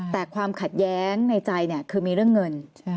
แต่ความขัดแย้งในใจคือมีเรื่องเงิน